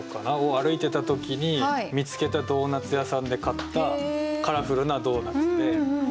歩いてた時に見つけたドーナツ屋さんで買ったカラフルなドーナツで。